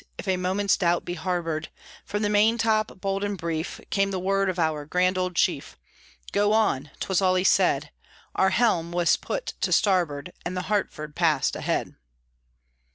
If a moment's doubt be harbored; From the main top, bold and brief, Came the word of our grand old chief: "Go on!" 'twas all he said, Our helm was put to starboard, And the Hartford passed ahead.